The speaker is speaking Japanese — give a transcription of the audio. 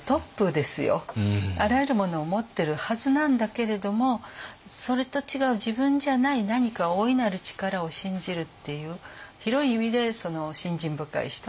あらゆるものを持ってるはずなんだけれどもそれと違う自分じゃない何か大いなる力を信じるっていう広い意味で信心深い人。